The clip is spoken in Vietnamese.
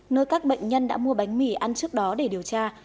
nơi các bệnh nhân đã mua bánh mì ăn trước đó để điều tra